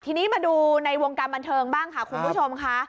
ทีนี้มาดูในวงการบันเทิงบ้างค่ะคุณผู้ชมค่ะ